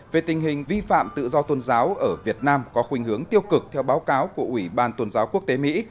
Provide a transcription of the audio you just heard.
về tình hình vi phạm tự do tôn giáo ở việt nam có khuyên hướng tiêu cực theo báo cáo của ủy ban tôn giáo quốc tế mỹ